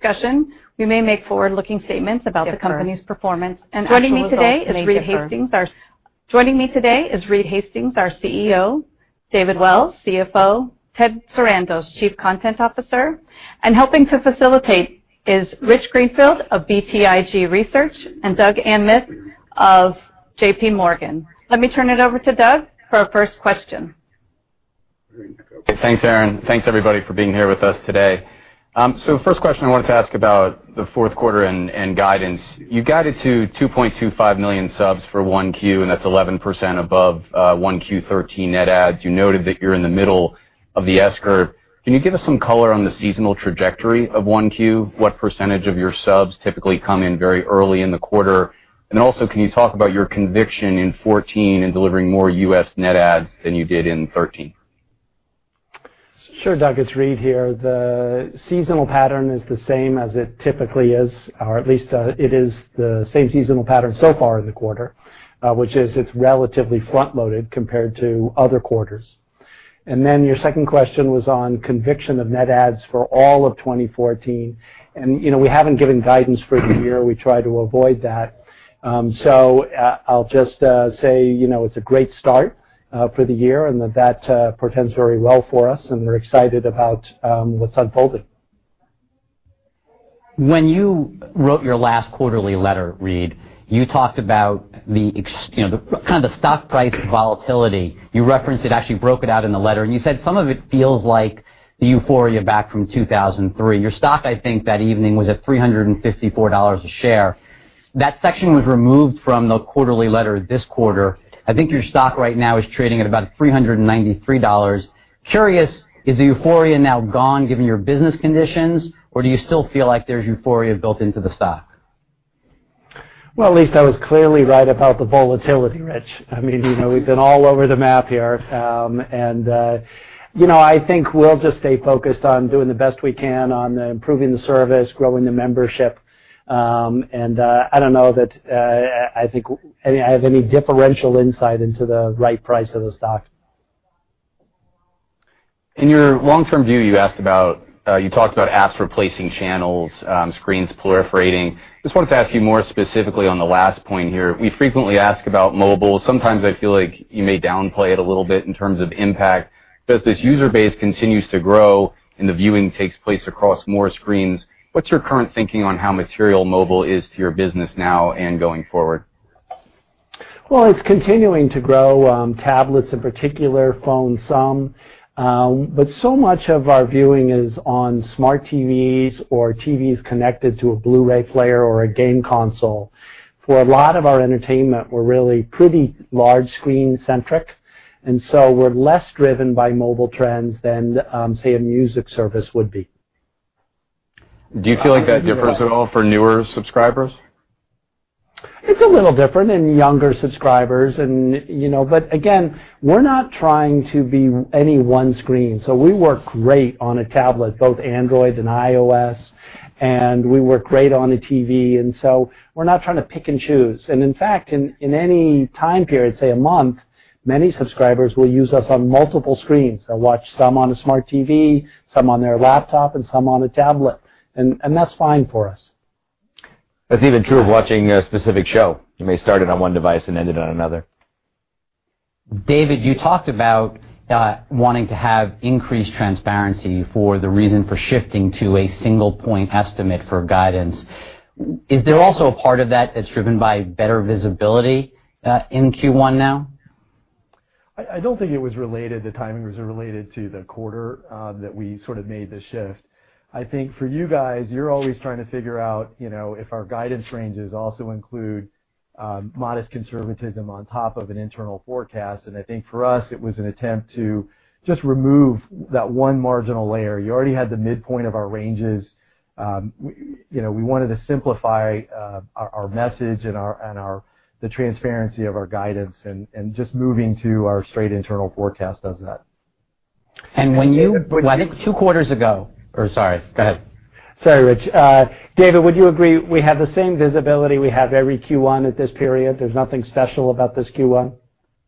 Discussion, we may make forward-looking statements about the company's performance and actual results may differ. Joining me today is Reed Hastings, our CEO; David Wells, CFO; Ted Sarandos, Chief Content Officer; and helping to facilitate is Rich Greenfield of BTIG Research and Doug Anmuth of JPMorgan. Let me turn it over to Doug for our first question. Okay. Thanks, Erin. Thanks, everybody, for being here with us today. First question, I wanted to ask about the fourth quarter and guidance. You guided to 2.25 million subs for 1Q, and that's 11% above 1Q 2013 net adds. You noted that you're in the middle of the S-curve. Can you give us some color on the seasonal trajectory of 1Q? What percentage of your subs typically come in very early in the quarter? Also, can you talk about your conviction in 2014 in delivering more U.S. net adds than you did in 2013? Sure, Doug, it's Reed here. The seasonal pattern is the same as it typically is, or at least it is the same seasonal pattern so far in the quarter, which is it's relatively front-loaded compared to other quarters. Your second question was on conviction of net adds for all of 2014. We haven't given guidance for the year. We try to avoid that. I'll just say, it's a great start for the year and that that portends very well for us, and we're excited about what's unfolding. When you wrote your last quarterly letter, Reed, you talked about the stock price volatility. You referenced it, actually broke it out in the letter, and you said some of it feels like the euphoria back from 2003. Your stock, I think, that evening was at $354 a share. That section was removed from the quarterly letter this quarter. I think your stock right now is trading at about $393. Curious, is the euphoria now gone given your business conditions, or do you still feel like there's euphoria built into the stock? Well, at least I was clearly right about the volatility, Rich. We've been all over the map here. I think we'll just stay focused on doing the best we can on improving the service, growing the membership. I don't know that I think I have any differential insight into the right price of the stock. In your long-term view, you talked about apps replacing channels, screens proliferating. Just wanted to ask you more specifically on the last point here. We frequently ask about mobile. Sometimes I feel like you may downplay it a little bit in terms of impact. As this user base continues to grow and the viewing takes place across more screens, what's your current thinking on how material mobile is to your business now and going forward? Well, it's continuing to grow, tablets in particular, phones some. So much of our viewing is on smart TVs or TVs connected to a Blu-ray player or a game console. For a lot of our entertainment, we're really pretty large screen-centric. We're less driven by mobile trends than, say, a music service would be. Do you feel like that differs at all for newer subscribers? It's a little different in younger subscribers. Again, we're not trying to be any one screen. We work great on a tablet, both Android and iOS, we work great on a TV, we're not trying to pick and choose. In fact, in any time period, say a month, many subscribers will use us on multiple screens. They'll watch some on a smart TV, some on their laptop, and some on a tablet. That's fine for us. That's even true of watching a specific show. You may start it on one device and end it on another. David, you talked about wanting to have increased transparency for the reason for shifting to a single-point estimate for guidance. Is there also a part of that that's driven by better visibility in Q1 now? I don't think it was related, the timing was related to the quarter that we sort of made the shift. I think for you guys, you're always trying to figure out if our guidance ranges also include modest conservatism on top of an internal forecast. I think for us, it was an attempt to just remove that one marginal layer. You already had the midpoint of our ranges. We wanted to simplify our message and the transparency of our guidance, just moving to our straight internal forecast does that. when you- David, I think two quarters ago, or sorry, go ahead. Sorry, Rich. David, would you agree we have the same visibility we have every Q1 at this period? There's nothing special about this Q1?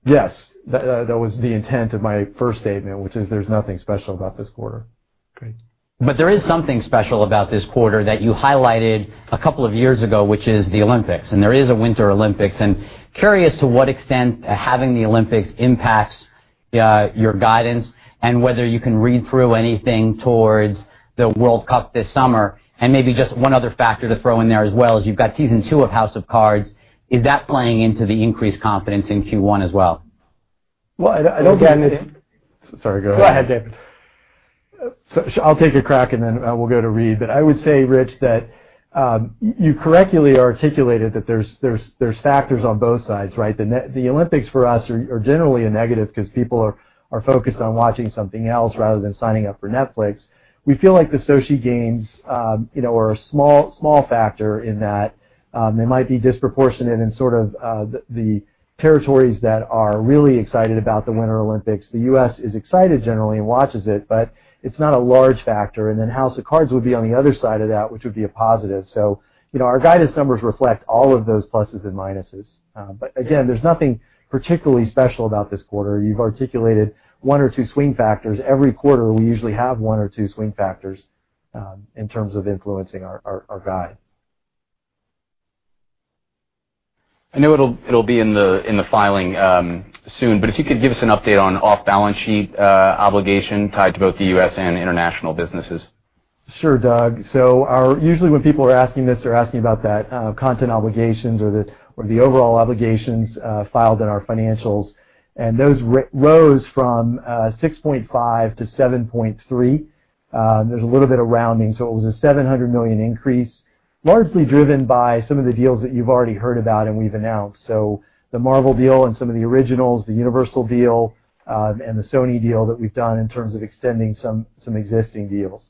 Yes. That was the intent of my first statement, which is there's nothing special about this quarter. Great. There is something special about this quarter that you highlighted a couple of years ago, which is the Olympics, and there is a Winter Olympics. Curious to what extent having the Olympics impacts your guidance and whether you can read through anything towards the World Cup this summer, and maybe just one other factor to throw in there as well is you've got Season 2 of "House of Cards." Is that playing into the increased confidence in Q1 as well? Well, I don't think it's. Well, again, it's. Sorry, go ahead. Go ahead, David. I'll take a crack, and then we'll go to Reed. I would say, Rich, that you correctly articulated that there's factors on both sides, right? The Olympics for us are generally a negative because people are focused on watching something else rather than signing up for Netflix. We feel like the Sochi Games were a small factor in that. They might be disproportionate in sort of the territories that are really excited about the Winter Olympics. The U.S. is excited generally and watches it, but it's not a large factor. "House of Cards" would be on the other side of that, which would be a positive. Our guidance numbers reflect all of those pluses and minuses. Again, there's nothing particularly special about this quarter. You've articulated one or two swing factors. Every quarter, we usually have one or two swing factors in terms of influencing our guide. I know it'll be in the filing soon, but if you could give us an update on off-balance sheet obligation tied to both the U.S. and international businesses. Sure, Doug. Usually, when people are asking this, they're asking about that content obligations or the overall obligations filed in our financials. Those rose from $6.5 billion to $7.3 billion. There's a little bit of rounding. It was a $700 million increase, largely driven by some of the deals that you've already heard about and we've announced. The Marvel deal and some of the originals, the Universal deal, and the Sony deal that we've done in terms of extending some existing deals.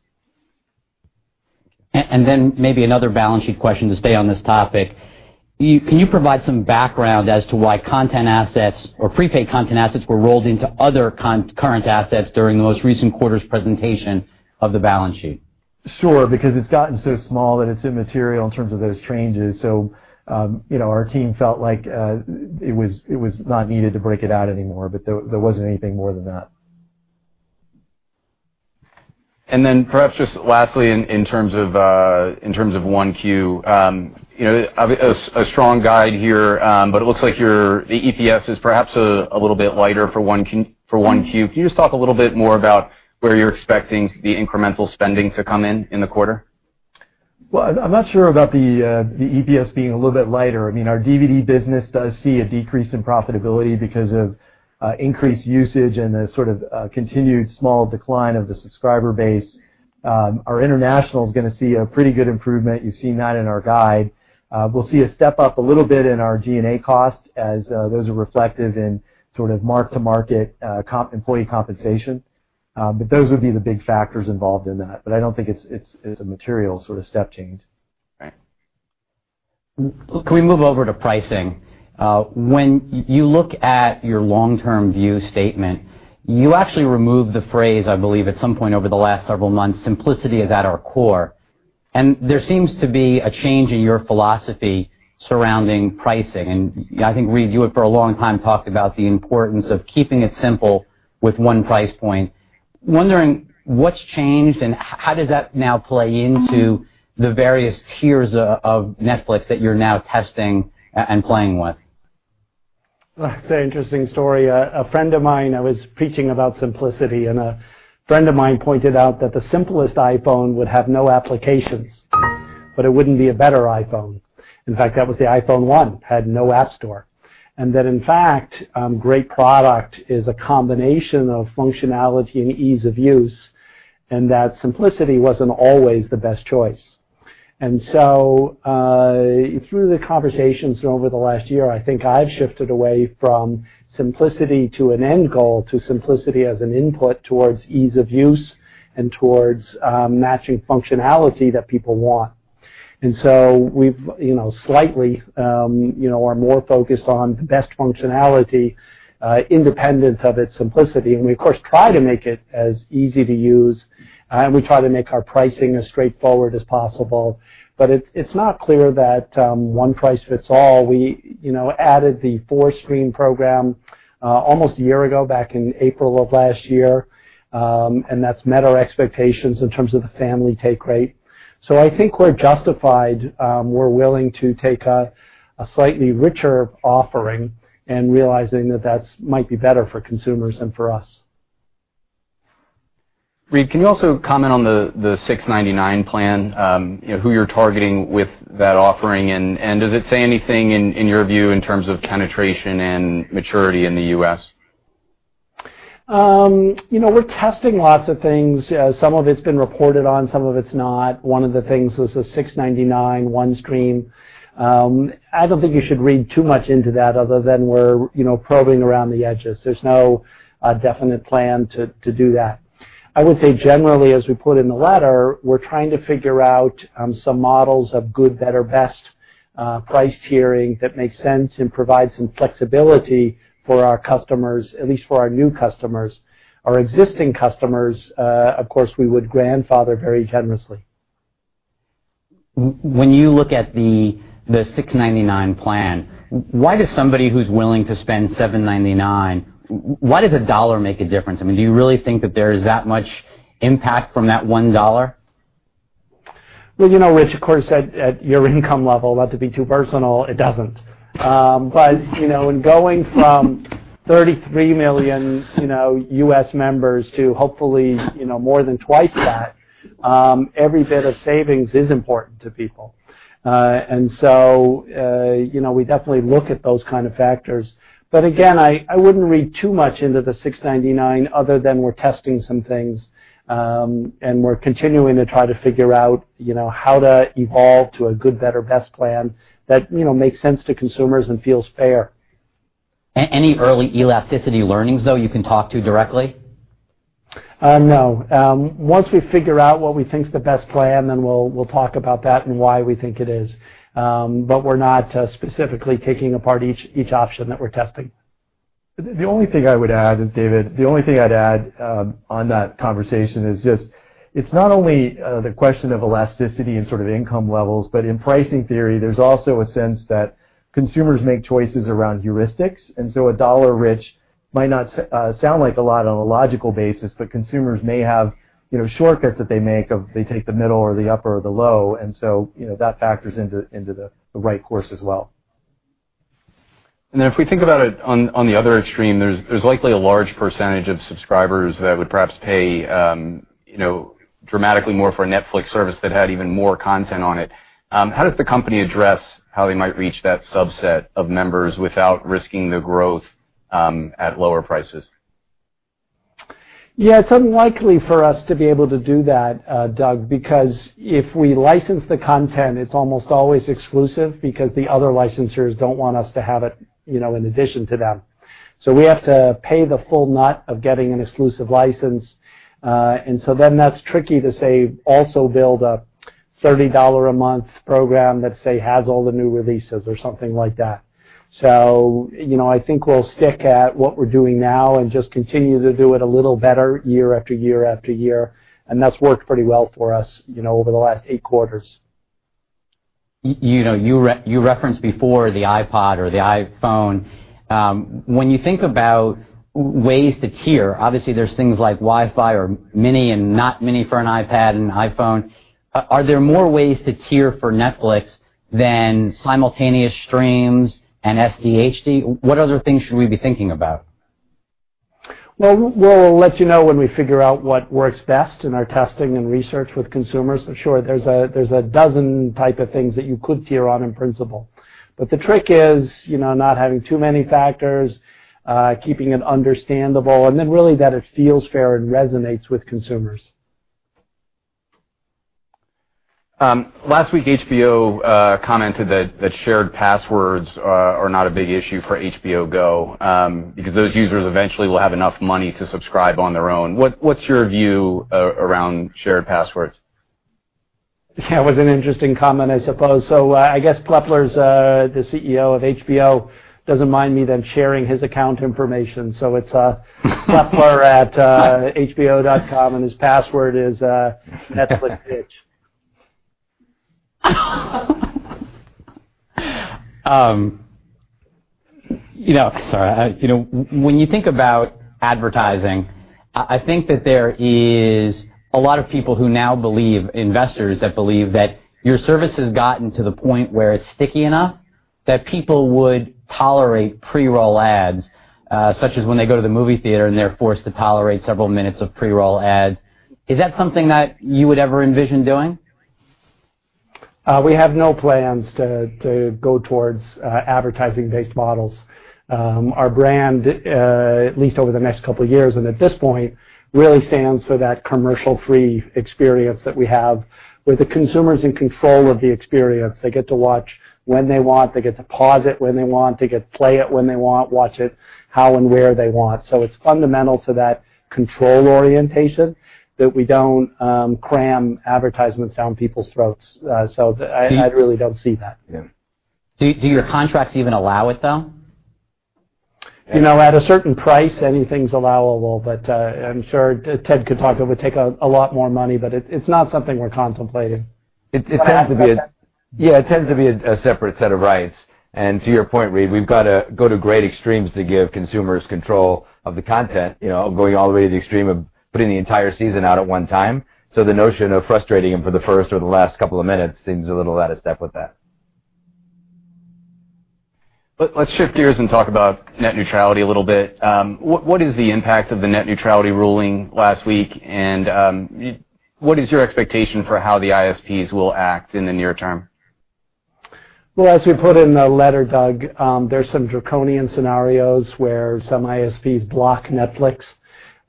Maybe another balance sheet question to stay on this topic. Can you provide some background as to why content assets or prepaid content assets were rolled into other current assets during the most recent quarter's presentation of the balance sheet? Sure. It's gotten so small that it's immaterial in terms of those changes. Our team felt like it was not needed to break it out anymore, there wasn't anything more than that. Perhaps just lastly in terms of 1Q. A strong guide here, but it looks like the EPS is perhaps a little bit lighter for 1Q. Can you just talk a little bit more about where you're expecting the incremental spending to come in in the quarter? Well, I'm not sure about the EPS being a little bit lighter. I mean, our DVD business does see a decrease in profitability because of increased usage and the sort of continued small decline of the subscriber base. Our international is going to see a pretty good improvement. You've seen that in our guide. We'll see a step-up a little bit in our G&A cost as those are reflective in sort of mark-to-market employee compensation. Those would be the big factors involved in that. I don't think it's a material sort of step change. Right. Can we move over to pricing? When you look at your long-term view statement, you actually removed the phrase, I believe at some point over the last several months, "Simplicity is at our core." There seems to be a change in your philosophy surrounding pricing. I think Reed, you had for a long time talked about the importance of keeping it simple with one price point. Wondering what's changed and how does that now play into the various tiers of Netflix that you're now testing and playing with? It's an interesting story. I was preaching about simplicity, a friend of mine pointed out that the simplest iPhone would have no applications, but it wouldn't be a better iPhone. In fact, that was the iPhone 1, had no App Store. That, in fact, great product is a combination of functionality and ease of use, that simplicity wasn't always the best choice. Through the conversations over the last year, I think I've shifted away from simplicity to an end goal, to simplicity as an input towards ease of use and towards matching functionality that people want. We've slightly are more focused on the best functionality, independent of its simplicity. We, of course, try to make it as easy to use, we try to make our pricing as straightforward as possible. It's not clear that one price fits all. We added the four-screen program almost a year ago, back in April of last year. That's met our expectations in terms of the family take rate. I think we're justified. We're willing to take a slightly richer offering and realizing that that might be better for consumers than for us. Reed, can you also comment on the $6.99 plan, who you're targeting with that offering, and does it say anything in your view in terms of penetration and maturity in the U.S.? We're testing lots of things. Some of it's been reported on, some of it's not. One of the things was the $6.99, one screen. I don't think you should read too much into that other than we're probing around the edges. There's no definite plan to do that. I would say generally, as we put in the letter, we're trying to figure out some models of good, better, best price tiering that makes sense and provides some flexibility for our customers, at least for our new customers. Our existing customers, of course, we would grandfather very generously. When you look at the $6.99 plan, why does somebody who's willing to spend $7.99, why does a dollar make a difference? I mean, do you really think that there is that much impact from that one dollar? Well, Rich, of course, at your income level, not to be too personal, it doesn't. In going from 33 million U.S. members to hopefully more than twice that, every bit of savings is important to people. We definitely look at those kind of factors. Again, I wouldn't read too much into the $6.99 other than we're testing some things, and we're continuing to try to figure out how to evolve to a good, better, best plan that makes sense to consumers and feels fair. Any early elasticity learnings, though, you can talk to directly? No. Once we figure out what we think is the best plan, then we'll talk about that and why we think it is. We're not specifically taking apart each option that we're testing. The only thing I would add is, David, the only thing I'd add on that conversation is just, it's not only the question of elasticity and sort of income levels, but in pricing theory, there's also a sense that consumers make choices around heuristics, and so a dollar. might not sound like a lot on a logical basis, but consumers may have shortcuts that they make of they take the middle or the upper or the low. That factors into the right course as well. If we think about it on the other extreme, there's likely a large percentage of subscribers that would perhaps pay dramatically more for a Netflix service that had even more content on it. How does the company address how they might reach that subset of members without risking the growth at lower prices? Yeah. It's unlikely for us to be able to do that, Doug, because if we license the content, it's almost always exclusive because the other licensors don't want us to have it in addition to them. We have to pay the full nut of getting an exclusive license. That's tricky to, say, also build a $30 a month program that, say, has all the new releases or something like that. I think we'll stick at what we're doing now and just continue to do it a little better year after year after year, and that's worked pretty well for us over the last eight quarters. You referenced before the iPod or the iPhone. When you think about ways to tier, obviously there's things like Wi-Fi or Mini and not Mini for an iPad and iPhone. Are there more ways to tier for Netflix than simultaneous streams and SD/HD? What other things should we be thinking about? We'll let you know when we figure out what works best in our testing and research with consumers. For sure, there's 12 type of things that you could tier on in principle. The trick is not having too many factors, keeping it understandable, and then really that it feels fair and resonates with consumers. Last week, HBO commented that shared passwords are not a big issue for HBO Go because those users eventually will have enough money to subscribe on their own. What's your view around shared passwords? It was an interesting comment, I suppose. I guess Plepler, the CEO of HBO, doesn't mind me then sharing his account information. It's plepler@hbo.com, and his password is Netflixbitch. Sorry. When you think about advertising, I think that there is a lot of people who now believe, investors that believe that your service has gotten to the point where it's sticky enough that people would tolerate pre-roll ads such as when they go to the movie theater, and they're forced to tolerate several minutes of pre-roll ads. Is that something that you would ever envision doing? We have no plans to go towards advertising-based models. Our brand, at least over the next couple of years and at this point, really stands for that commercial-free experience that we have with the consumers in control of the experience. They get to watch when they want, they get to pause it when they want, they get to play it when they want, watch it how and where they want. It's fundamental to that control orientation that we don't cram advertisements down people's throats. I really don't see that. Yeah. Do your contracts even allow it, though? At a certain price, anything's allowable. I'm sure Ted could take a lot more money. It's not something we're contemplating. It tends to be a separate set of rights. To your point, Reed, we've got to go to great extremes to give consumers control of the content, going all the way to the extreme of putting the entire season out at one time. The notion of frustrating them for the first or the last couple of minutes seems a little out of step with that. Let's shift gears and talk about net neutrality a little bit. What is the impact of the net neutrality ruling last week, and what is your expectation for how the ISPs will act in the near term? As we put in the letter, Doug, there's some draconian scenarios where some ISPs block Netflix.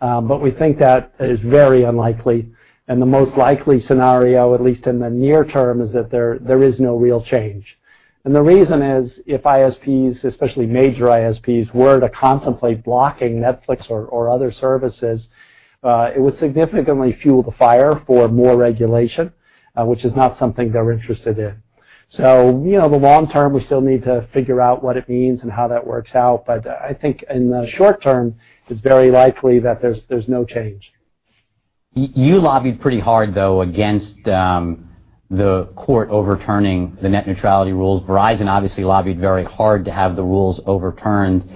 We think that is very unlikely, and the most likely scenario, at least in the near term, is that there is no real change. The reason is, if ISPs, especially major ISPs, were to contemplate blocking Netflix or other services, it would significantly fuel the fire for more regulation, which is not something they're interested in. The long term, we still need to figure out what it means and how that works out. I think in the short term, it's very likely that there's no change. You lobbied pretty hard, though, against the court overturning the net neutrality rules. Verizon obviously lobbied very hard to have the rules overturned.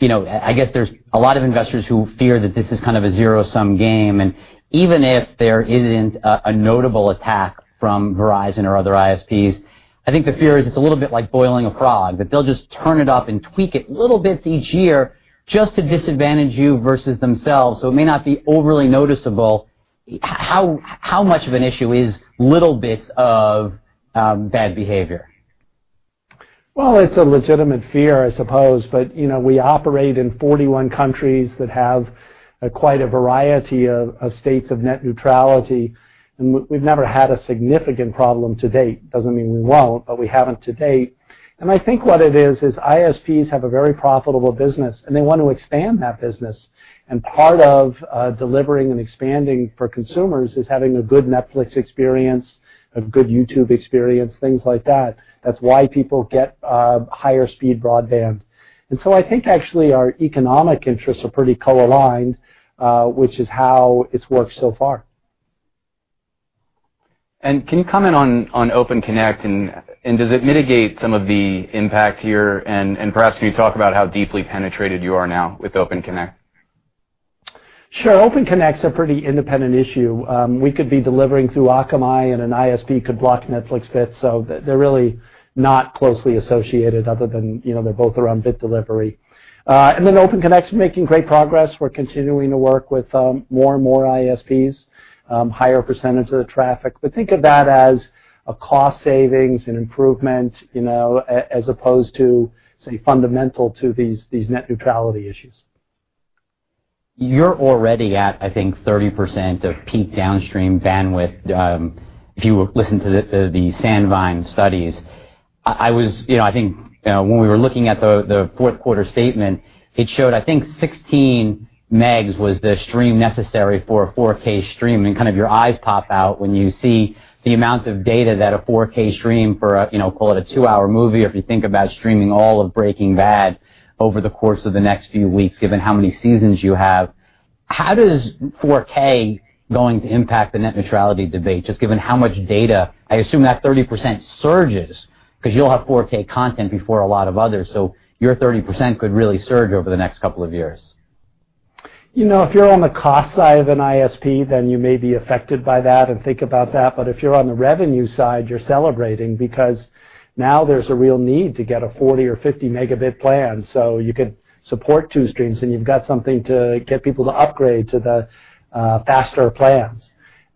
I guess there's a lot of investors who fear that this is kind of a zero-sum game. Even if there isn't a notable attack from Verizon or other ISPs, I think the fear is it's a little bit like boiling a frog, that they'll just turn it up and tweak it little bits each year just to disadvantage you versus themselves. It may not be overly noticeable. How much of an issue is little bits of bad behavior? Well, it's a legitimate fear, I suppose, but we operate in 41 countries that have quite a variety of states of net neutrality, and we've never had a significant problem to date. Doesn't mean we won't, but we haven't to date. I think what it is ISPs have a very profitable business, and they want to expand that business. Part of delivering and expanding for consumers is having a good Netflix experience, a good YouTube experience, things like that. That's why people get higher-speed broadband. I think actually our economic interests are pretty co-aligned, which is how it's worked so far. Can you comment on Open Connect, and does it mitigate some of the impact here? Perhaps can you talk about how deeply penetrated you are now with Open Connect? Sure. Open Connect's a pretty independent issue. We could be delivering through Akamai and an ISP could block Netflix bits, so they're really not closely associated other than they're both around bit delivery. Open Connect's making great progress. We're continuing to work with more and more ISPs, higher percentage of the traffic. Think of that as a cost savings, an improvement, as opposed to, say, fundamental to these net neutrality issues. You're already at, I think, 30% of peak downstream bandwidth. If you listen to the Sandvine studies, I think when we were looking at the fourth quarter statement, it showed, I think, 16 Mbps was the stream necessary for a 4K stream, and kind of your eyes pop out when you see the amount of data that a 4K stream for, call it a two-hour movie, or if you think about streaming all of "Breaking Bad" over the course of the next few weeks, given how many seasons you have. How does 4K going to impact the net neutrality debate, just given how much data? I assume that 30% surges because you'll have 4K content before a lot of others, so your 30% could really surge over the next couple of years. If you're on the cost side of an ISP, you may be affected by that and think about that. If you're on the revenue side, you're celebrating because now there's a real need to get a 40 or 50 megabit plan so you could support two streams and you've got something to get people to upgrade to the faster plans.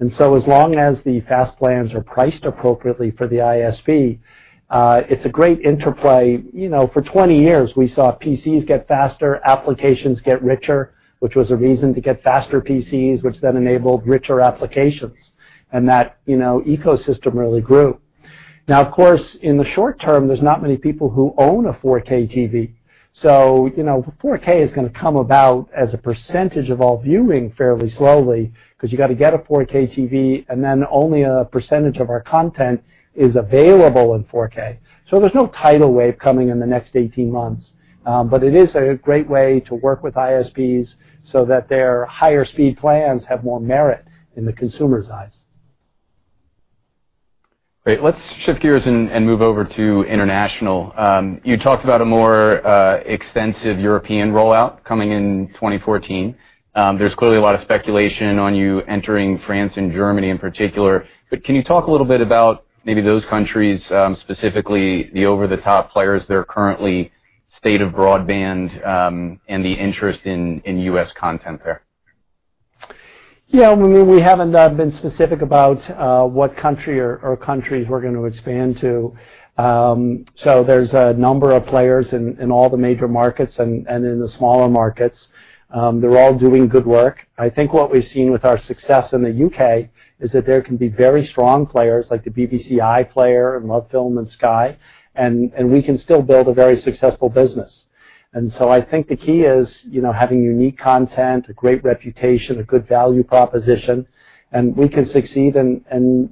As long as the fast plans are priced appropriately for the ISP, it's a great interplay. For 20 years, we saw PCs get faster, applications get richer, which was a reason to get faster PCs, which then enabled richer applications. That ecosystem really grew. Of course, in the short term, there's not many people who own a 4K TV. 4K is going to come about as a percentage of all viewing fairly slowly because you got to get a 4K TV, only a percentage of our content is available in 4K. There's no tidal wave coming in the next 18 months. It is a great way to work with ISPs so that their higher-speed plans have more merit in the consumer's eyes. Great. Let's shift gears and move over to international. You talked about a more extensive European rollout coming in 2014. There's clearly a lot of speculation on you entering France and Germany in particular, can you talk a little bit about maybe those countries, specifically the over-the-top players that are currently state of broadband, and the interest in U.S. content there? We haven't been specific about what country or countries we're going to expand to. There's a number of players in all the major markets and in the smaller markets. They're all doing good work. I think what we've seen with our success in the U.K. is that there can be very strong players like the BBC iPlayer and LoveFilm and Sky, and we can still build a very successful business. I think the key is having unique content, a great reputation, a good value proposition, and we can succeed and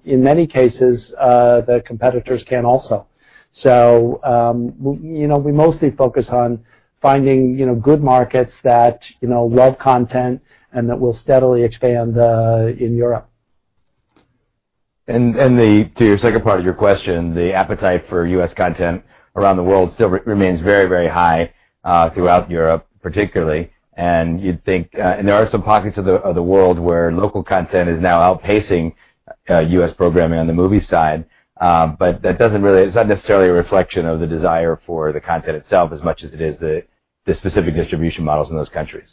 in many cases, the competitors can also. We mostly focus on finding good markets that love content and that will steadily expand in Europe. To your second part of your question, the appetite for U.S. content around the world still remains very high throughout Europe particularly. There are some pockets of the world where local content is now outpacing U.S. programming on the movie side. That doesn't, it's not necessarily a reflection of the desire for the content itself as much as it is the specific distribution models in those countries.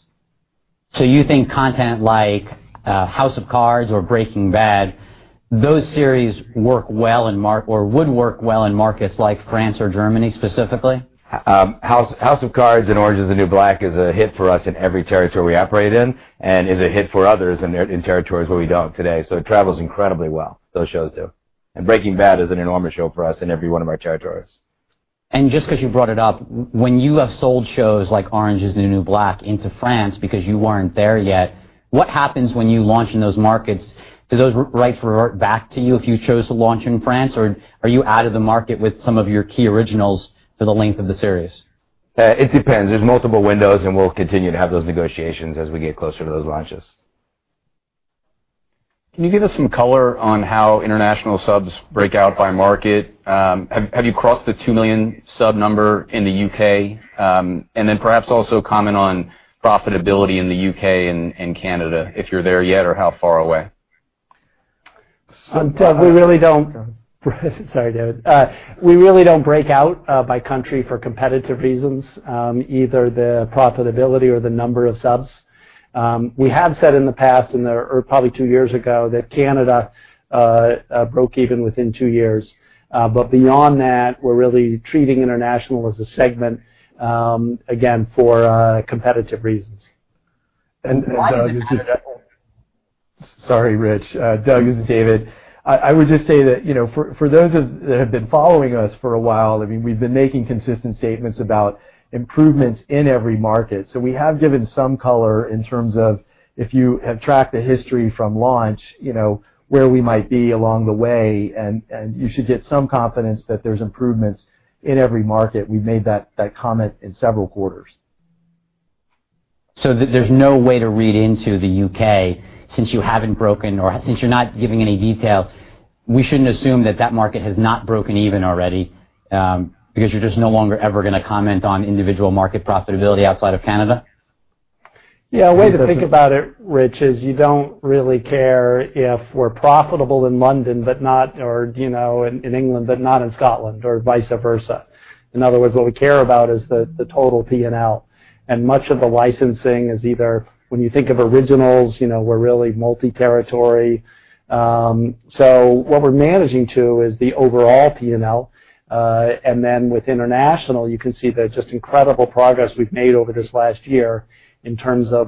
You think content like "House of Cards" or "Breaking Bad," those series work well or would work well in markets like France or Germany specifically? House of Cards" and "Orange Is the New Black" is a hit for us in every territory we operate in and is a hit for others in territories where we don't today. It travels incredibly well, those shows do. "Breaking Bad" is an enormous show for us in every one of our territories. Just because you brought it up, when you have sold shows like "Orange Is the New Black" into France because you weren't there yet, what happens when you launch in those markets? Do those rights revert back to you if you chose to launch in France, or are you out of the market with some of your key originals for the length of the series? It depends. There's multiple windows, we'll continue to have those negotiations as we get closer to those launches. Can you give us some color on how international subs break out by market? Have you crossed the 2 million sub number in the U.K.? Perhaps also comment on profitability in the U.K. and Canada, if you're there yet or how far away. Doug, we really don't. Sorry. Sorry, David. We really don't break out by country for competitive reasons, either the profitability or the number of subs. We have said in the past, or probably two years ago, that Canada broke even within two years. Beyond that, we're really treating international as a segment, again, for competitive reasons. Why is it competitive? Sorry, Rich. Doug, this is David. I would just say that for those that have been following us for a while, we've been making consistent statements about improvements in every market. We have given some color in terms of, if you have tracked the history from launch, where we might be along the way, and you should get some confidence that there's improvements in every market. We've made that comment in several quarters. There's no way to read into the U.K. since you're not giving any detail, we shouldn't assume that that market has not broken even already, because you're just no longer ever going to comment on individual market profitability outside of Canada? A way to think about it, Rich, is you don't really care if we're profitable in London or in England, but not in Scotland or vice versa. In other words, what we care about is the total P&L. Much of the licensing is either when you think of originals, we're really multi-territory. What we're managing to is the overall P&L. Then with international, you can see the just incredible progress we've made over this last year in terms of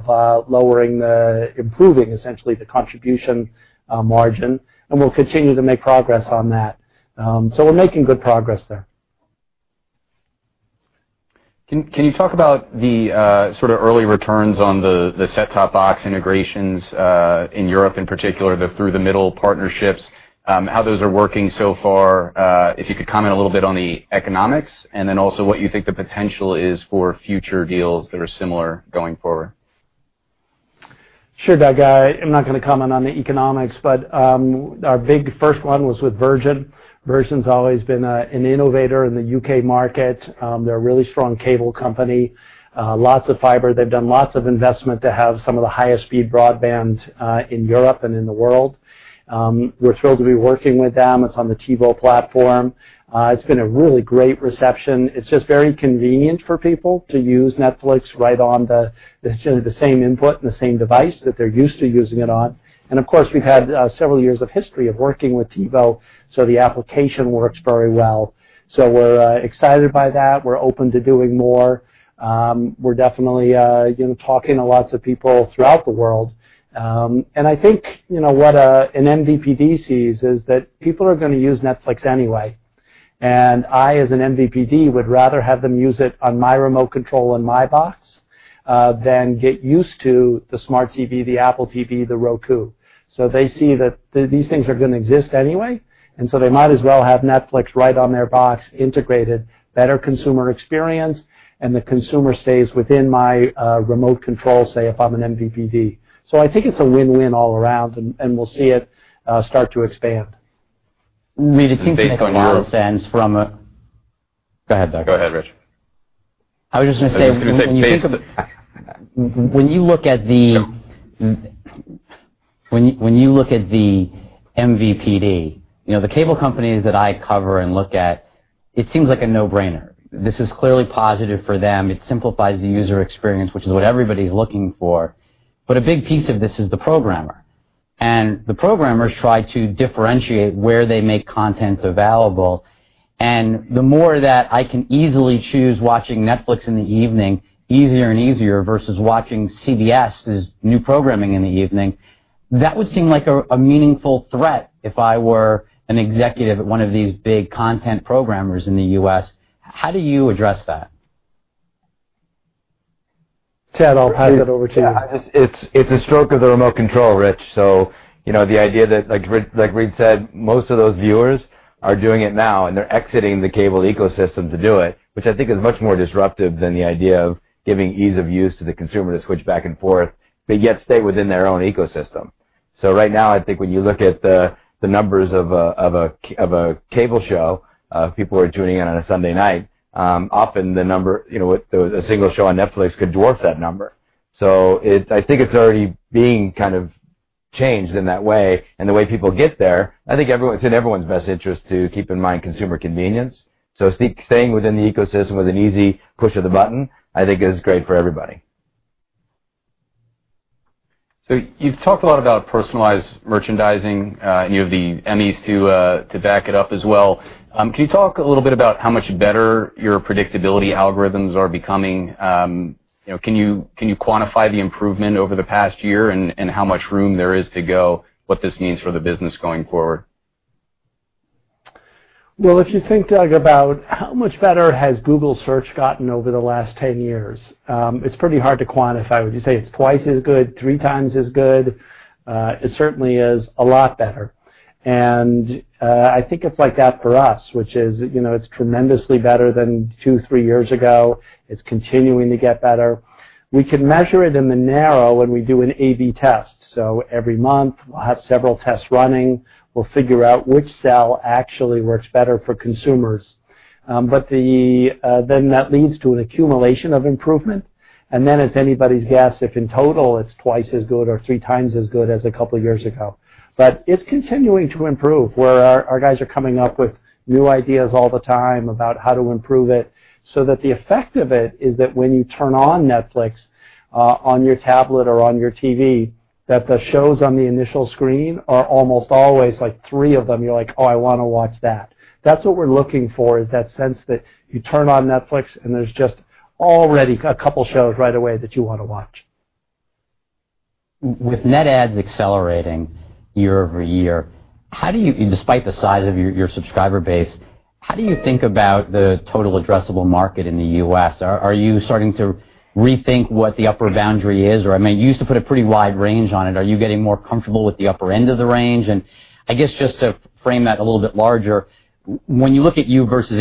improving, essentially, the contribution margin, and we'll continue to make progress on that. We're making good progress there. Can you talk about the early returns on the set-top box integrations, in Europe in particular, through the middle partnerships, how those are working so far? If you could comment a little bit on the economics, also what you think the potential is for future deals that are similar going forward. Sure, Doug. I'm not going to comment on the economics, but our big first one was with Virgin. Virgin's always been an innovator in the U.K. market. They're a really strong cable company, lots of fiber. They've done lots of investment. They have some of the highest-speed broadband in Europe and in the world. We're thrilled to be working with them. It's on the TiVo platform. It's been a really great reception. It's just very convenient for people to use Netflix. It's generally the same input and the same device that they're used to using it on. Of course, we've had several years of history of working with TiVo, the application works very well. We're excited by that. We're open to doing more. We're definitely talking to lots of people throughout the world. I think what an MVPD sees is that people are going to use Netflix anyway. I, as an MVPD, would rather have them use it on my remote control on my box, than get used to the smart TV, the Apple TV, the Roku. They see that these things are going to exist anyway, they might as well have Netflix right on their box integrated, better consumer experience, and the consumer stays within my remote control, say, if I'm an MVPD. I think it's a win-win all around, we'll see it start to expand. Reed, it seems to make a lot of sense from. Go ahead, Doug. Go ahead, Rich. I was just going to say. I was just going to say based- When you look at the MVPD, the cable companies that I cover and look at, it seems like a no-brainer. This is clearly positive for them. It simplifies the user experience, which is what everybody's looking for. A big piece of this is the programmer. The programmers try to differentiate where they make content available, and the more that I can easily choose watching Netflix in the evening easier and easier versus watching CBS's new programming in the evening, that would seem like a meaningful threat if I were an executive at one of these big content programmers in the U.S. How do you address that? Ted, I'll hand it over to you. It's a stroke of the remote control, Rich. The idea that, like Reed said, most of those viewers are doing it now, and they're exiting the cable ecosystem to do it, which I think is much more disruptive than the idea of giving ease of use to the consumer to switch back and forth, but yet stay within their own ecosystem. Right now, I think when you look at the numbers of a cable show, people are tuning in on a Sunday night. A single show on Netflix could dwarf that number. I think it's already being kind of changed in that way and the way people get there. I think it's in everyone's best interest to keep in mind consumer convenience. Staying within the ecosystem with an easy push of the button, I think is great for everybody. You've talked a lot about personalized merchandising, and you have the Emmys to back it up as well. Can you talk a little bit about how much better your predictability algorithms are becoming? Can you quantify the improvement over the past year and how much room there is to go, what this means for the business going forward? Well, if you think, Doug, about how much better has Google Search gotten over the last 10 years, it's pretty hard to quantify. Would you say it's twice as good, three times as good? It certainly is a lot better. I think it's like that for us, which is it's tremendously better than two, three years ago. It's continuing to get better. We can measure it in the narrow when we do an A/B test. Every month, we'll have several tests running. We'll figure out which cell actually works better for consumers. That leads to an accumulation of improvement, and then it's anybody's guess if, in total, it's twice as good or three times as good as a couple of years ago. It's continuing to improve, where our guys are coming up with new ideas all the time about how to improve it, so that the effect of it is that when you turn on Netflix on your tablet or on your TV, that the shows on the initial screen are almost always, like three of them, you're like, "Oh, I want to watch that." That's what we're looking for, is that sense that you turn on Netflix, and there's just already a couple of shows right away that you want to watch. With net adds accelerating year-over-year, despite the size of your subscriber base, how do you think about the total addressable market in the U.S.? Are you starting to rethink what the upper boundary is? You used to put a pretty wide range on it. Are you getting more comfortable with the upper end of the range? I guess just to frame that a little bit larger, when you look at you versus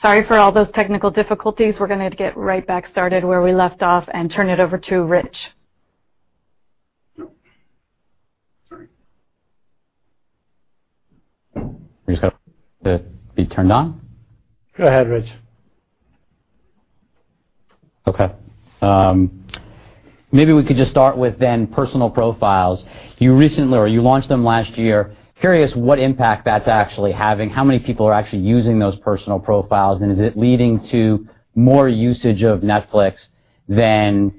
Sorry for all those technical difficulties. We're going to get right back started where we left off and turn it over to Rich. Sorry. You just got to be turned on. Go ahead, Rich. Okay. Maybe we could just start with then personal profiles. You launched them last year. Curious what impact that's actually having. How many people are actually using those personal profiles, and is it leading to more usage of Netflix than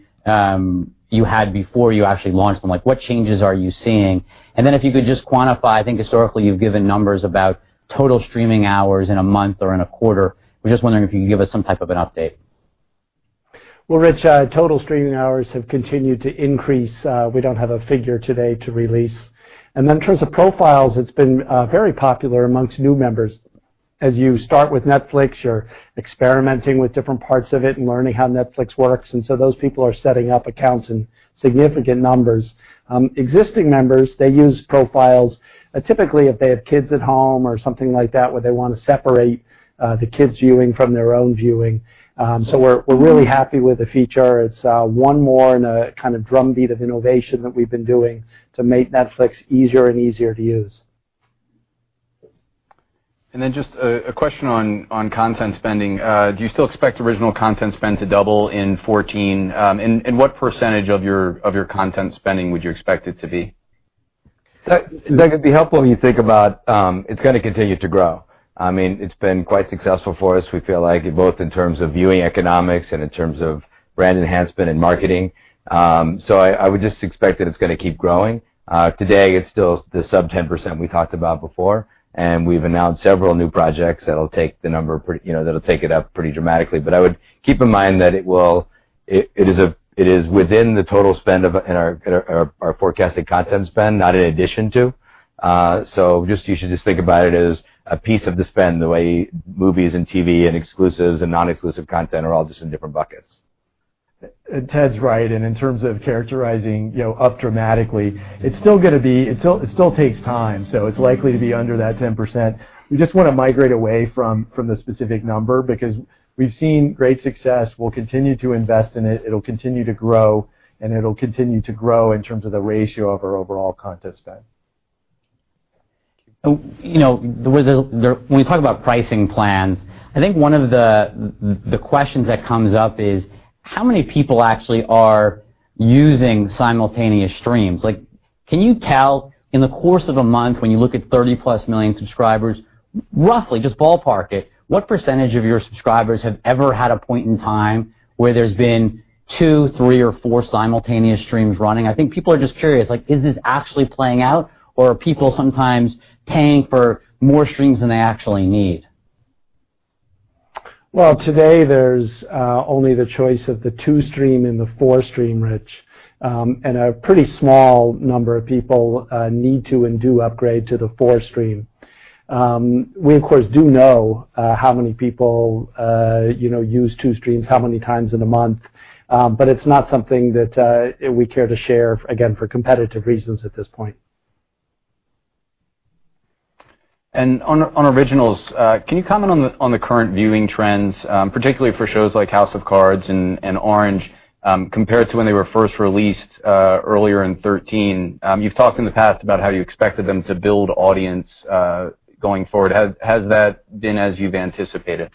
you had before you actually launched them? What changes are you seeing? If you could just quantify, I think historically you've given numbers about total streaming hours in a month or in a quarter. I'm just wondering if you can give us some type of an update. Well, Rich, total streaming hours have continued to increase. We don't have a figure today to release. In terms of profiles, it's been very popular amongst new members. As you start with Netflix, you're experimenting with different parts of it and learning how Netflix works. Those people are setting up accounts in significant numbers. Existing members, they use profiles typically if they have kids at home or something like that, where they want to separate the kids' viewing from their own viewing. We're really happy with the feature. It's one more in a kind of drumbeat of innovation that we've been doing to make Netflix easier and easier to use. Just a question on content spending. Do you still expect original content spend to double in 2014? What % of your content spending would you expect it to be? Doug, it'd be helpful when you think about, it's going to continue to grow. It's been quite successful for us, we feel like, both in terms of viewing economics and in terms of brand enhancement and marketing. I would just expect that it's going to keep growing. Today it's still the sub 10% we talked about before, we've announced several new projects that'll take the number up pretty dramatically. I would keep in mind that it is within the total spend of our forecasted content spend, not in addition to. You should just think about it as a piece of the spend, the way movies and TV and exclusives and non-exclusive content are all just in different buckets. Ted's right, in terms of characterizing up dramatically, it still takes time, so it's likely to be under that 10%. We just want to migrate away from the specific number because we've seen great success. We'll continue to invest in it'll continue to grow, it'll continue to grow in terms of the ratio of our overall content spend. When we talk about pricing plans, I think one of the questions that comes up is how many people actually are using simultaneous streams? Can you tell in the course of a month, when you look at 30-plus million subscribers, roughly, just ballpark it, what % of your subscribers have ever had a point in time where there's been two, three, or four simultaneous streams running? I think people are just curious. Is this actually playing out, or are people sometimes paying for more streams than they actually need? Well, today there's only the choice of the two stream and the four stream, Rich. A pretty small number of people need to and do upgrade to the four stream. We, of course, do know how many people use two streams how many times in a month. It's not something that we care to share, again, for competitive reasons at this point. Can you comment on the current viewing trends, particularly for shows like "House of Cards" and "Orange," compared to when they were first released earlier in 2013? You've talked in the past about how you expected them to build audience going forward. Has that been as you've anticipated?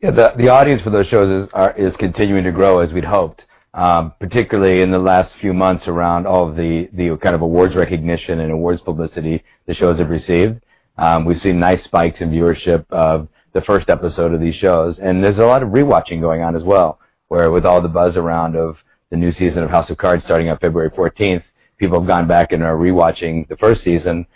Yeah. The audience for those shows is continuing to grow as we'd hoped. Particularly in the last few months around all of the kind of awards recognition and awards publicity the shows have received. We've seen nice spikes in viewership of the first episode of these shows, and there's a lot of rewatching going on as well, where with all the buzz around of the new season of "House of Cards" starting on February 14th, people have gone back and are rewatching the first season.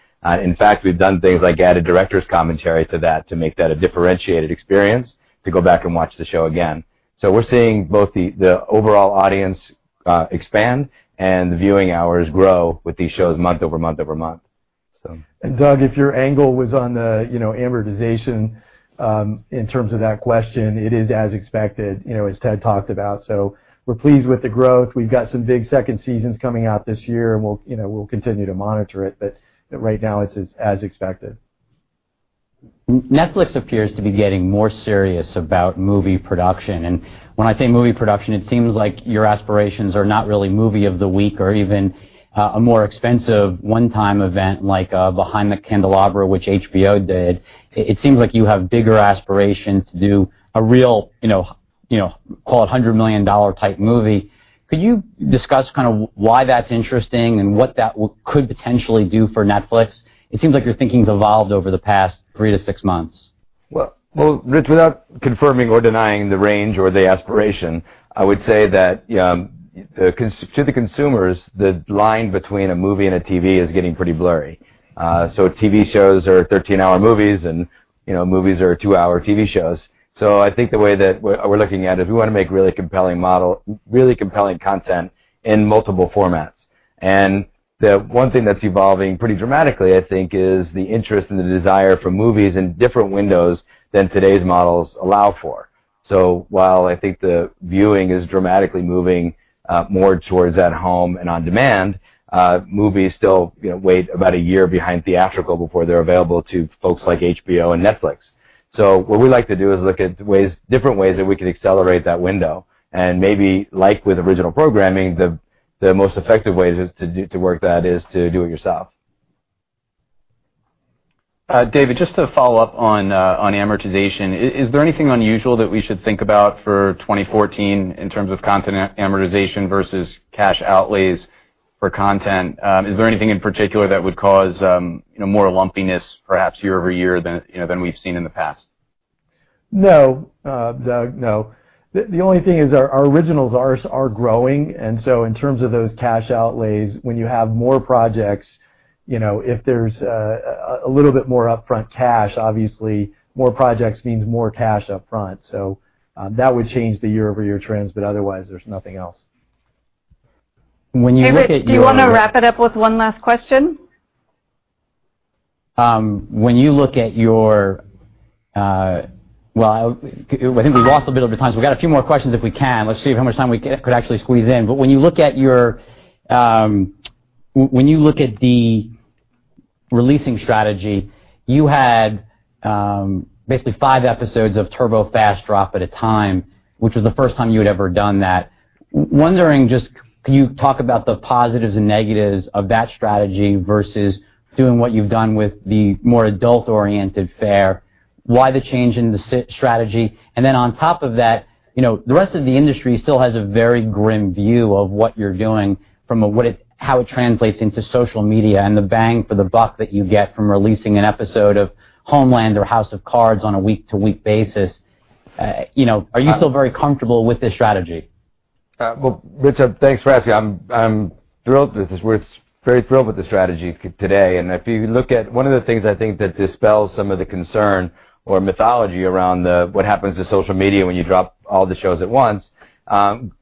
In fact, we've done things like added director's commentary to that to make that a differentiated experience to go back and watch the show again. We're seeing both the overall audience expand and the viewing hours grow with these shows month over month over month. Doug, if your angle was on the amortization in terms of that question, it is as expected, as Ted talked about. We're pleased with the growth. We've got some big second seasons coming out this year, and we'll continue to monitor it, but right now it's as expected. Netflix appears to be getting more serious about movie production. When I say movie production, it seems like your aspirations are not really movie of the week or even a more expensive one-time event like "Behind the Candelabra," which HBO did. It seems like you have bigger aspirations to do a real call it $100 million-type movie. Could you discuss why that's interesting and what that could potentially do for Netflix? It seems like your thinking's evolved over the past three to six months. Well, Rich, without confirming or denying the range or the aspiration, I would say that to the consumers, the line between a movie and a TV is getting pretty blurry. TV shows are 13-hour movies, and movies are two-hour TV shows. I think the way that we're looking at it, we want to make really compelling content in multiple formats. The one thing that's evolving pretty dramatically, I think, is the interest and the desire for movies in different windows than today's models allow for. While I think the viewing is dramatically moving more towards at-home and on-demand, movies still wait about a year behind theatrical before they're available to folks like HBO and Netflix. What we like to do is look at different ways that we can accelerate that window and maybe, like with original programming, the most effective way to work that is to do it yourself. David, just to follow up on amortization, is there anything unusual that we should think about for 2014 in terms of content amortization versus cash outlays for content? Is there anything in particular that would cause more lumpiness perhaps year-over-year than we've seen in the past? No, Doug, no. The only thing is our originals are growing, in terms of those cash outlays, when you have more projects, if there's a little bit more upfront cash, obviously more projects means more cash upfront. That would change the year-over-year trends, but otherwise, there's nothing else. When you look at your- David, do you want to wrap it up with one last question? I think we've lost a bit of the time, so we've got a few more questions if we can. Let's see how much time we could actually squeeze in. When you look at the releasing strategy, you had basically five episodes of Turbo FAST at a time, which was the first time you had ever done that. Wondering just, can you talk about the positives and negatives of that strategy versus doing what you've done with the more adult-oriented fare? Why the change in the strategy? On top of that, the rest of the industry still has a very grim view of what you're doing from how it translates into social media and the bang for the buck that you get from releasing an episode of "Homeland" or "House of Cards" on a week-to-week basis. Are you still very comfortable with this strategy? Well, Richard, thanks for asking. We're very thrilled with the strategy today, and if you look at one of the things I think that dispels some of the concern or mythology around what happens to social media when you drop all the shows at once,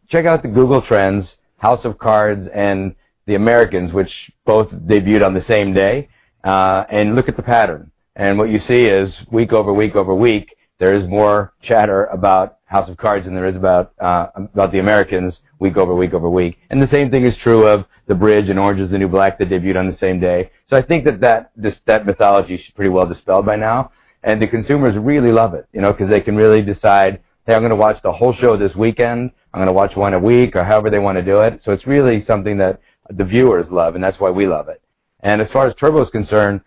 check out the Google Trends, "House of Cards" and "The Americans," which both debuted on the same day, and look at the pattern. What you see is week over week over week, there is more chatter about "House of Cards" than there is about "The Americans" week over week over week. The same thing is true of "The Bridge" and "Orange Is the New Black" that debuted on the same day. I think that mythology is pretty well dispelled by now, and the consumers really love it, because they can really decide, "Hey, I'm going to watch the whole show this weekend. I'm going to watch one a week," or however they want to do it. It's really something that the viewers love, and that's why we love it. As far as Turbo is concerned,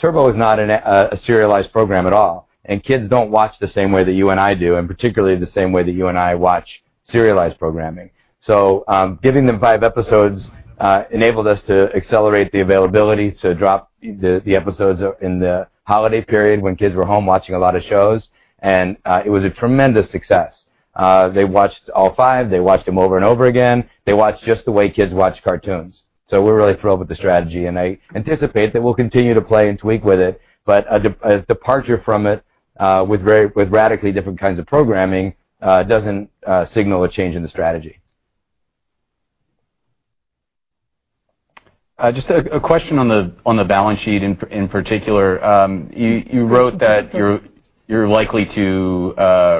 Turbo is not a serialized program at all, and kids don't watch the same way that you and I do, and particularly the same way that you and I watch serialized programming. Giving them five episodes enabled us to accelerate the availability to drop the episodes in the holiday period when kids were home watching a lot of shows, and it was a tremendous success. They watched all five. They watched them over and over again. They watched just the way kids watch cartoons. We're really thrilled with the strategy, and I anticipate that we'll continue to play and tweak with it, but a departure from it with radically different kinds of programming doesn't signal a change in the strategy. Just a question on the balance sheet in particular. You wrote that you're likely to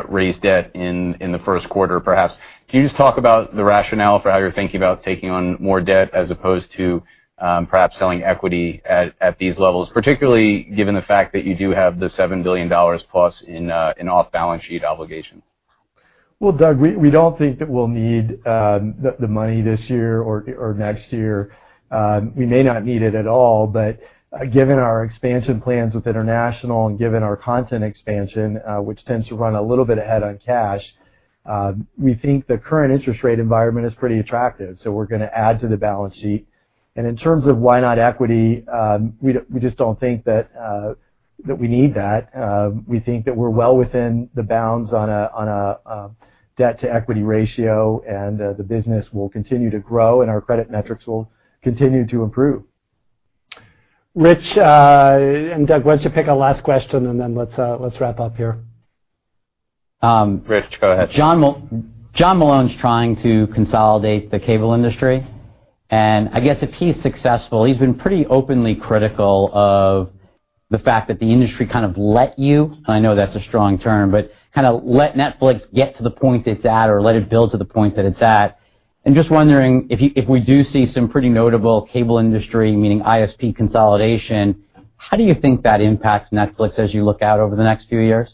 raise debt in the first quarter, perhaps. Can you just talk about the rationale for how you're thinking about taking on more debt as opposed to perhaps selling equity at these levels, particularly given the fact that you do have the $7 billion plus in off-balance sheet obligations? Well, Doug, we don't think that we'll need the money this year or next year. We may not need it at all, but given our expansion plans with international and given our content expansion, which tends to run a little bit ahead on cash, we think the current interest rate environment is pretty attractive. We're going to add to the balance sheet. In terms of why not equity, we just don't think that we need that. We think that we're well within the bounds on a debt-to-equity ratio and the business will continue to grow and our credit metrics will continue to improve. Rich and Doug, why don't you pick a last question and then let's wrap up here. Rich, go ahead. John Malone's trying to consolidate the cable industry. I guess if he's successful, he's been pretty openly critical of the fact that the industry kind of let you, and I know that's a strong term, but kind of let Netflix get to the point it's at or let it build to the point that it's at. I'm just wondering, if we do see some pretty notable cable industry, meaning ISP consolidation, how do you think that impacts Netflix as you look out over the next few years?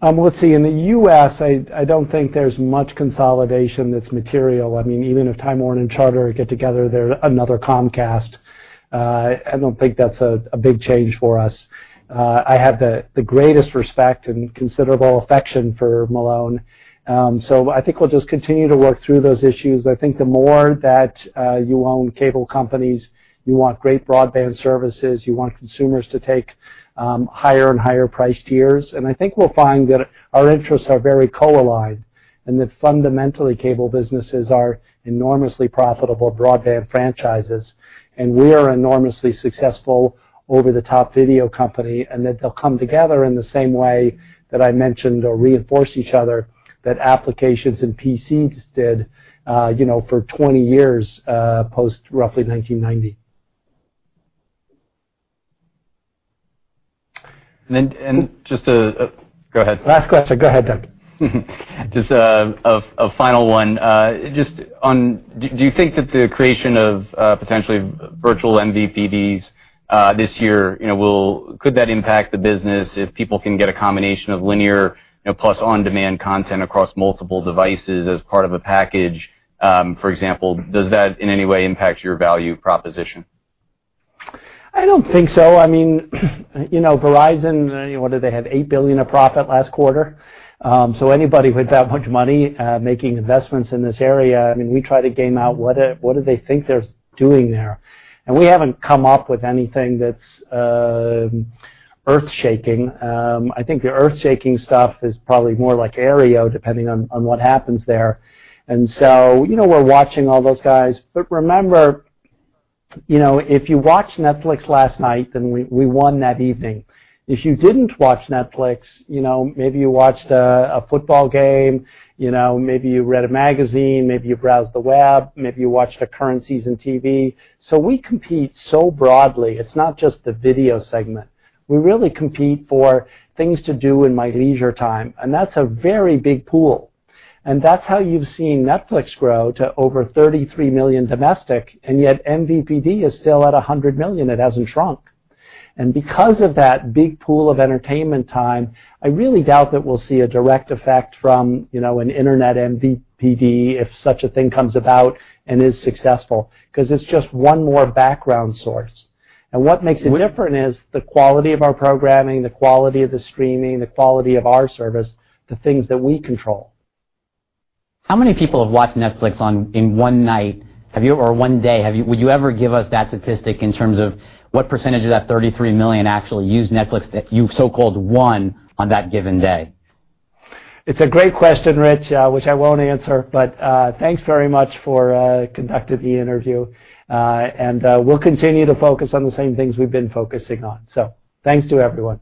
Let's see. In the U.S., I don't think there's much consolidation that's material. Even if Time Warner and Charter get together, they're another Comcast. I don't think that's a big change for us. I have the greatest respect and considerable affection for Malone. I think we'll just continue to work through those issues. I think the more that you own cable companies, you want great broadband services, you want consumers to take higher and higher priced tiers. I think we'll find that our interests are very co-aligned, and that fundamentally, cable businesses are enormously profitable broadband franchises, and we are enormously successful over-the-top video company, and that they'll come together in the same way that I mentioned or reinforce each other that applications and PCs did for 20 years post roughly 1990. Just a Go ahead. Last question. Go ahead, Doug. Just a final one. Do you think that the creation of potentially virtual MVPDs this year could impact the business if people can get a combination of linear plus on-demand content across multiple devices as part of a package? Does that in any way impact your value proposition? I don't think so. Verizon, what did they have, $8 billion of profit last quarter? Anybody with that much money making investments in this area, we try to game out what do they think they're doing there. We haven't come up with anything that's earth-shaking. I think the earth-shaking stuff is probably more like Aereo, depending on what happens there. We're watching all those guys. Remember, if you watched Netflix last night, then we won that evening. If you didn't watch Netflix, maybe you watched a football game, maybe you read a magazine, maybe you browsed the web, maybe you watched a current season TV. We compete so broadly. It's not just the video segment. We really compete for things to do in my leisure time, and that's a very big pool. That's how you've seen Netflix grow to over 33 million domestic, and yet MVPD is still at 100 million. It hasn't shrunk. Because of that big pool of entertainment time, I really doubt that we'll see a direct effect from an internet MVPD if such a thing comes about and is successful, because it's just one more background source. What makes it different is the quality of our programming, the quality of the streaming, the quality of our service, the things that we control. How many people have watched Netflix in one night or one day? Would you ever give us that statistic in terms of what % of that 33 million actually used Netflix that you so-called won on that given day? It's a great question, Rich, which I won't answer. Thanks very much for conducting the interview. We'll continue to focus on the same things we've been focusing on. Thanks to everyone.